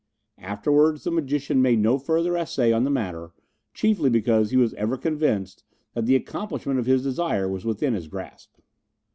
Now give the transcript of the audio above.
Afterwards the magician made no further essay in the matter, chiefly because he was ever convinced that the accomplishment of his desire was within his grasp.